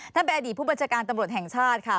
ท่านแบดดีผู้บัจการตำรวจแห่งชาติค่ะ